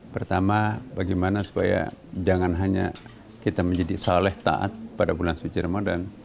pertama bagaimana supaya jangan hanya kita menjadi saleh taat pada bulan suci ramadan